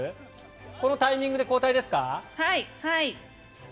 このタイミングで交代ですか？